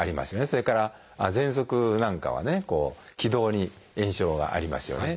それからぜんそくなんかはね気道に炎症がありますよね。